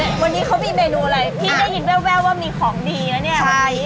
วันนี้เขามีเมนูอะไรพี่ได้ยินแววว่ามีของดีนะเนี่ย